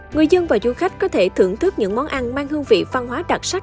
người dân và du khách có thể thưởng thức những món ăn mang hương vị văn hóa đặc sắc